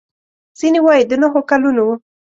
ځینې وايي د نهو کلونو و.